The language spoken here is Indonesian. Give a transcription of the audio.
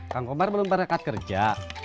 kang komar belum berekat kerja